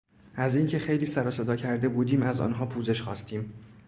از اینکه خیلی سرو صدا کرده بودیم از آنها پوزش خواستیم.